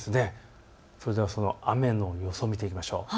それでは雨の予想を見ていきましょう。